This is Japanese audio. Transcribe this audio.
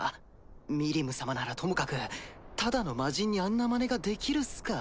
ミリム様ならともかくただの魔人にあんなまねができるっすか？